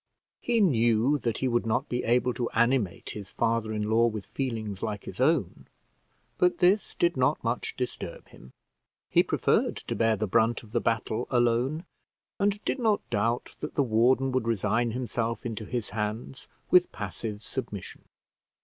He knew that he would not be able to animate his father in law with feelings like his own, but this did not much disturb him. He preferred to bear the brunt of the battle alone, and did not doubt that the warden would resign himself into his hands with passive submission.